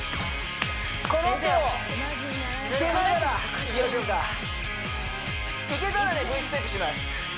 この手をつけながらいきましょうかいけたらねＶステップします